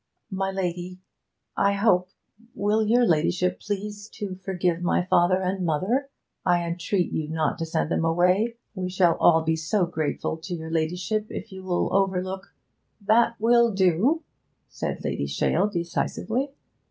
'My lady I hope will your ladyship please to forgive my father and mother? I entreat you not to send them away. We shall all be so grateful to your ladyship if you will overlook ' 'That will do,' said Lady Shale decisively.